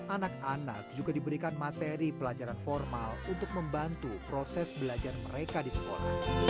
anak anak juga diberikan materi pelajaran formal untuk membantu proses belajar mereka di sekolah